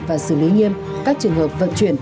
và xử lý nghiêm các trường hợp vận chuyển